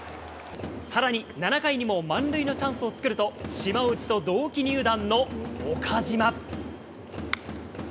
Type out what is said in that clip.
さらに、７回にも満塁のチャンスを作ると、島内と同期入団の岡島。